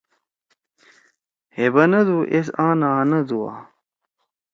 ہے بنَدُو ایس آں نہ آندُوا۔